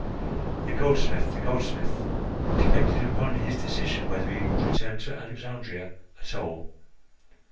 The goldsmith! the goldsmith! It depended upon his decision whether he would return to Alexandria at all.